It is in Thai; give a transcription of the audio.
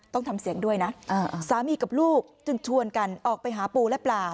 ต้องทำเสียงด้วยนะสามีกับลูกจึงชวนกันออกไปหาปูและปลา